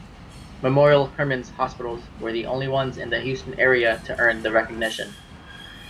Memorial Hermann's hospitals were the only ones in the Houston-area to earn the recognition.